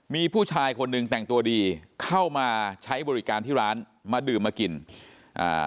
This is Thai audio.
มีผู้ชายคนหนึ่งแต่งตัวดีเข้ามาใช้บริการที่ร้านมาดื่มมากินอ่า